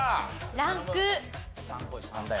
ランク３。